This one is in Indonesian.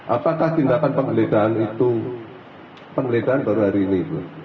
apakah tindakan pembedahan itu pembedahan baru hari ini